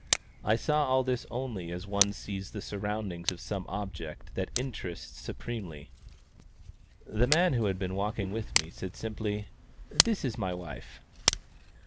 I saw all this only as one sees the surroundings of some object that interests supremely. The man who had been walking with me said simply, "This is my wife."